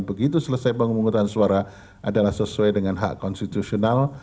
begitu selesai pengumuman suara adalah sesuai dengan hak konstitusional